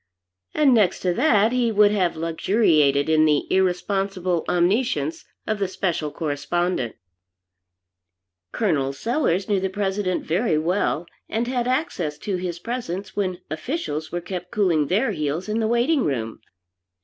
And next to that he would have luxuriated in the irresponsible omniscience of the Special Correspondent. Col. Sellers knew the President very well, and had access to his presence when officials were kept cooling their heels in the Waiting room.